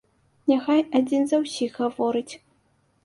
Няхай адзін за ўсіх гаворыць!